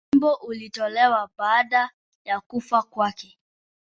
Wimbo ulitolewa baada ya kufa kwake.